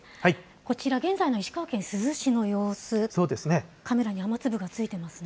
こちら、現在の石川県珠洲市の様子、カメラに雨粒がついていますね。